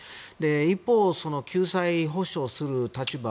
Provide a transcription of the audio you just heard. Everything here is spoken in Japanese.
一方、救済・補償する立場